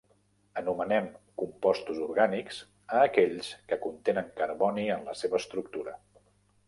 Anomenem compostos orgànics a aquells que contenen carboni en la seva estructura.